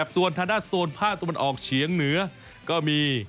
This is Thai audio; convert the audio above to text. ส่วนทางด้านโซนภาคตะวันออกเฉียงเหนือก็มี